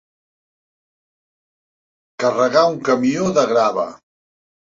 Carregar un camió de grava.